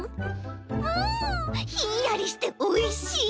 うんひんやりしておいしい。